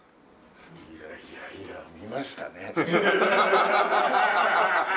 いやいやいや見ましたね。